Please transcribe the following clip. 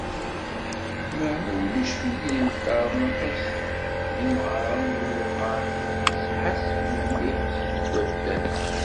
Meɛna ulac wid yenṭerren aṭas d imɣaren d yimuḍan i yesḥassfen mliḥ seg waddad-a.